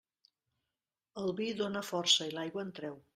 El vi dóna força i l'aigua en treu.